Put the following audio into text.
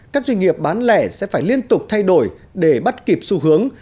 các doanh nghiệp bán lẻ sẽ phải liên tục thay đổi để bắt kịp xu hướng